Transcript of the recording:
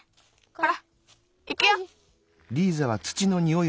ほらいくよ！